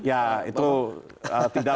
ya itu tidak